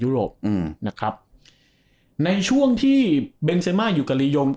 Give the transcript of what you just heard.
โรปอืมนะครับในช่วงที่เบนเซมาอยู่กับลียง